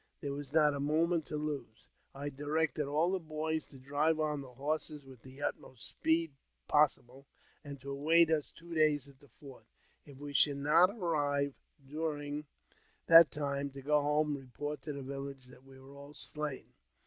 There was not a moment to lose. I directed all the boys to drive on the horses with the utmost speed possible, and to await us two days at the fort ; if we should not arrive during 1 JAMES P. BECKWOUBTH. 259 that time, to go home and report to the village that we were all slain.